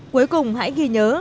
cuối cùng hãy ghi nhớ